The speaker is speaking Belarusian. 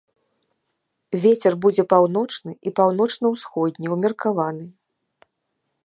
Вецер будзе паўночны і паўночна-ўсходні ўмеркаваны.